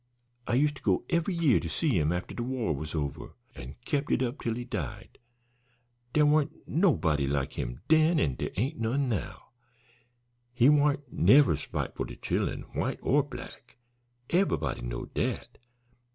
"I used to go eve'y year to see him after de war was over, an' kep' it up till he died. Dere warn't nobody like him den, an' dere ain't none now. He warn't never spiteful to chillen, white or black. Eve'ybody knowed dat.